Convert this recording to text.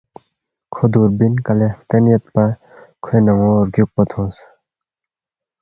کھو دُوربین کلے ہلتین یودپا کھوے نمو بگیُوکپا تھونگس